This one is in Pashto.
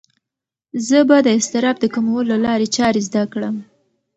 زه به د اضطراب د کمولو لارې چارې زده کړم.